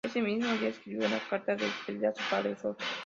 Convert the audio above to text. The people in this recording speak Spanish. Ese mismo día escribió una carta de despedida a su padre: ""Sor.